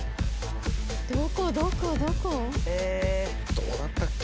どこだったっけな。